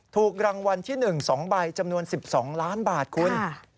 ถูกรางวัลที่๑๒ใบจำนวน๑๒ล้านบาทคุณ